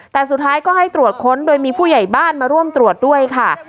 แต่สุดท้ายก็ให้ตรวจค้นโดยมีผู้ใหญ่บ้านมาร่วมตรวจด้วยค่ะ